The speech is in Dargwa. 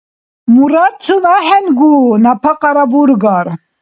Мурадцун ахӏенгу, напакьара бургар?